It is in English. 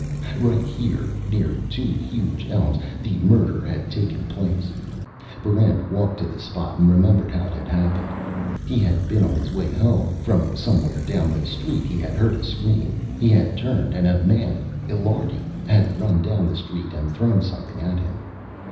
Right here, near two huge elms, the murder had taken place. Barrent walked to the spot and remembered how it had happened. He had been on his way home. From somewhere down the street he had heard a scream. He had turned, and a man Illiardi had run down the street and thrown something at him.